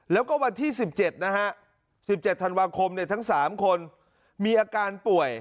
แล้วก็วันที่๑๗นะฮะ๑๗ธันวาคมทั้ง๓คนมีอาการป่วย